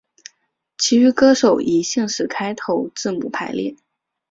其余歌手以姓氏开头字母排列。